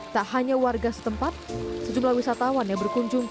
tak hanya warga setempat sejumlah wisatawan yang berkunjung ke